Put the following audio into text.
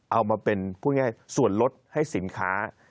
เอามาเป็นพูดง่ายส่วนลดให้สินค้า